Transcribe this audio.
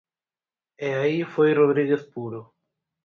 E aí foi Rodríguez puro.